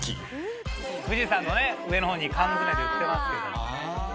富士山のね上の方に缶詰で売ってますけどもね。